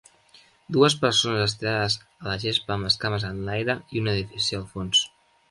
Dues persones estirades a la gespa amb les cames enlaire i un edifici al fons.